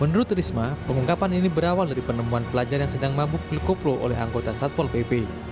menurut risma pengungkapan ini berawal dari penemuan pelajar yang sedang mabuk milkoplo oleh anggota satpol pp